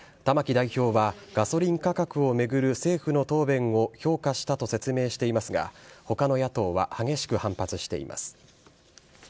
玉木代表は、ガソリン価格を巡る政府の答弁を評価したと説明していますが、ほかの野党は激しく反発しています。